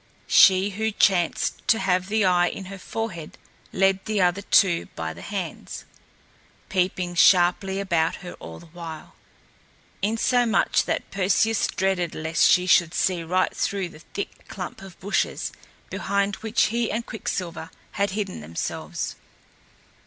She who chanced to have the eye in her forehead led the other two by the hands, peeping sharply about her all the while; insomuch that Perseus dreaded lest she should see right through the thick clump of bushes behind which he and Quicksilver had hidden themselves.